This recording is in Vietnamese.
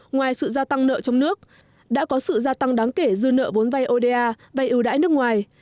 ngoài sự gia tăng nợ trong nước đã có sự gia tăng đáng kể dư nợ vốn vay oda vay ưu đãi nước ngoài